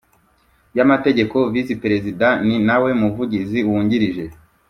Y amategeko visi perezida ni nawe muvugizi wungirije